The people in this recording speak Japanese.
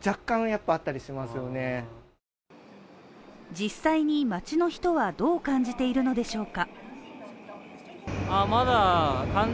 実際に街の人はどう感じているのでしょうか？